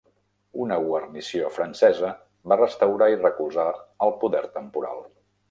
Una guarnició francesa va restaurar i recolzar el poder temporal.